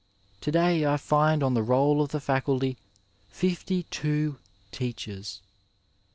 To day I find on the roll of the Faculty 52 teachers.